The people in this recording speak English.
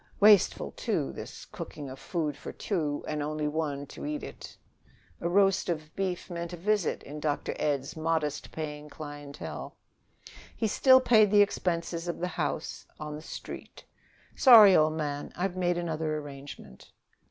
Wasteful, too, this cooking of food for two and only one to eat it. A roast of beef meant a visit, in Dr. Ed's modest paying clientele. He still paid the expenses of the house on the Street. "Sorry, old man; I've made another arrangement."